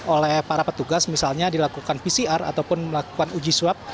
oleh para petugas misalnya dilakukan pcr ataupun melakukan uji swab